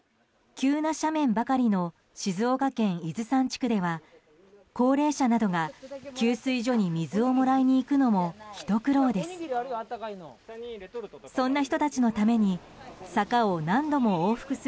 急な斜面ばかりの静岡県伊豆山地区では高齢者などが給水所に水をもらいに行くのもひと苦労です。